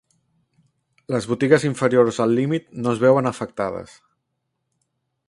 Les botigues inferiors al límit no es veuen afectades.